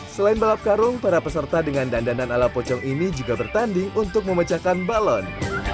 selain balap karung para peserta dengan dandanan ala pocong ini juga bertanding untuk memecahkan balon